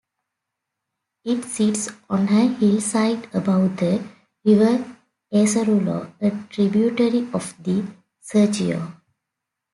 It sits on a hillside above the river Esarulo, a tributary of the Serchio.